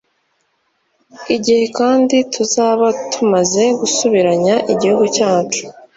igihe kandi tuzaba tumaze gusubiranya igihugu cyacu